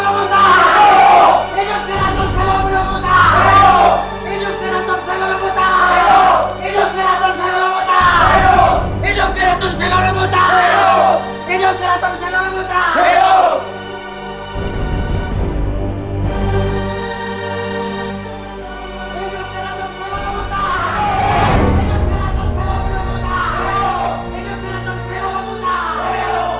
aku baru keluar